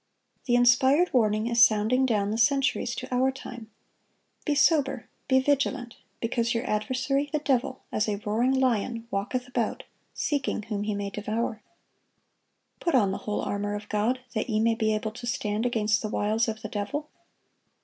(894) The inspired warning is sounding down the centuries to our time: "Be sober, be vigilant; because your adversary the devil, as a roaring lion, walketh about, seeking whom he may devour."(895) "Put on the whole armor of God, that ye may be able to stand against the wiles of the devil."